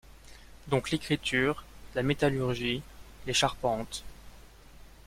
Donc l’écriture, la métallurgie, les charpentes...